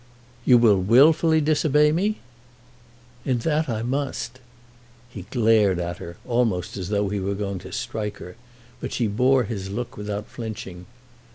"You will wilfully disobey me?" "In that I must." He glared at her, almost as though he were going to strike her, but she bore his look without flinching.